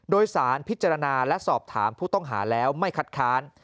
โดยสารพิจารณาและสอบถามผู้ต้องหาแล้วไม่คัดค้าน